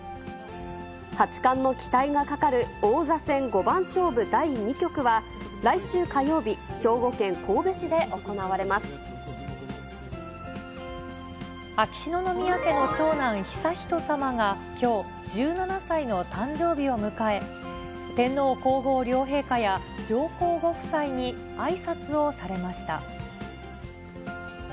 八冠の期待がかかる王座戦五番勝負第２局は、来週火曜日、秋篠宮家の長男、悠仁さまがきょう、１７歳の誕生日を迎え、天皇皇后両陛下や、上皇ご夫妻にあいさつをされました。